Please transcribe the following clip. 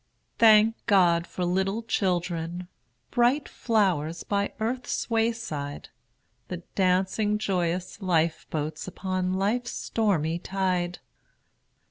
Thank God for little children! Bright flowers by earth's wayside, The dancing, joyous life boats Upon life's stormy tide.